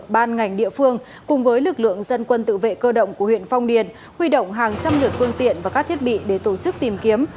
ban ngành địa phương cùng với lực lượng dân quân tự vệ cơ động của huyện phong điền huy động hàng trăm lượt phương tiện và các thiết bị để tổ chức tìm kiếm